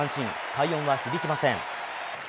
快音は響きません。